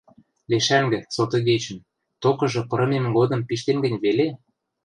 Лешӓнгӹ, сотыгечӹн, токыжы пырымем годым пиштен гӹнь веле?..